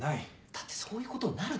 だってそういうことになるだろ？